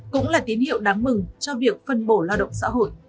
cũng là tín hiệu đáng mừng cho việc phân bổ lao động xã hội